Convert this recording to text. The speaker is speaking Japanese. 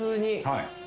はい。